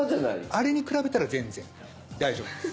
あれに比べたら全然大丈夫です。